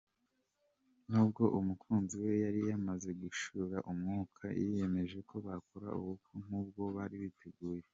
Nubwo umukunzi we yari yamaze gushiramo umwuka, yiyemeje ko bakora ubukwe nkuko bari barabiteguye.